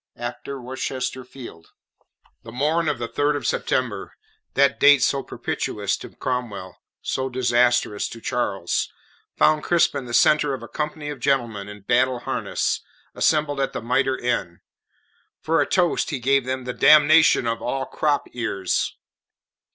AFTER WORCESTER FIELD The morn of the third of September that date so propitious to Cromwell, so disastrous to Charles found Crispin the centre of a company of gentlemen in battle harness, assembled at The Mitre Inn. For a toast he gave them "The damnation of all crop ears."